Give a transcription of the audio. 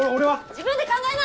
自分で考えな！